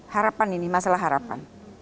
harapan ini masalah harapan